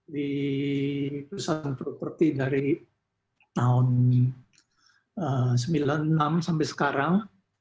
di perusahaan properti dari tahun sembilan puluh enam sampai sekarang